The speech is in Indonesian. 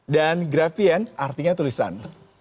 dan grafien artinya tulisan